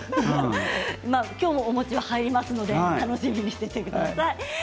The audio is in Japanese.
きょうもお餅がありますので、楽しみにしていてください。